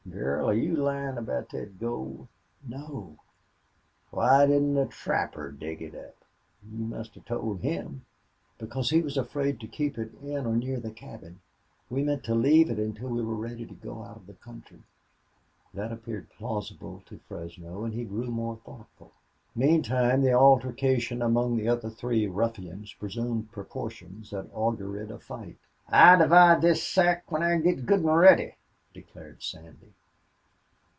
Girl, are you lyin' about thet gold?" "No." "Why didn't the trapper dig it up? You must hev told him." "Because he was afraid to keep it in or near his cabin. We meant to leave it until we were ready to get out of the country." That appeared plausible to Fresno and he grew more thoughtful. Meanwhile the altercation among the other three ruffians assumed proportions that augured a fight. "I'll divide this sack when I git good an' ready," declared Sandy.